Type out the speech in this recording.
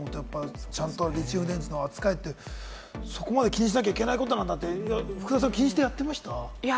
ちゃんとリチウムイオン電池の扱いって、そこまで気にしなきゃいけないことなのかって、福田さん、気にしてやってました？